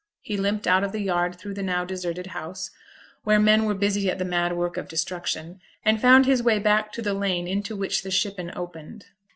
He limped out of the yard through the now deserted house, where men were busy at the mad work of destruction, and found his way back to the lane into which the shippen opened.